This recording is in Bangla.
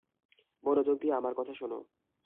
মনযোগ দিয়ে আমার কথা শোনো।